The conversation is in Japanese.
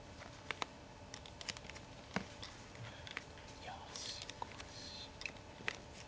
いやしかし。